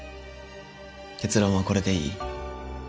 結論はこれでいい？